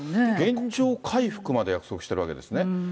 原状回復まで約束してるわけですね。